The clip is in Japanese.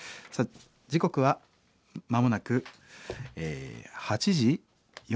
時刻は間もなくえ８時４８分。